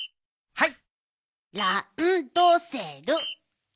はい！